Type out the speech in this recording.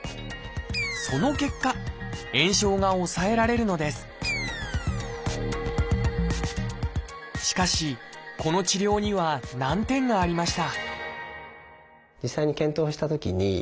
その結果炎症が抑えられるのですしかしこの治療には難点がありました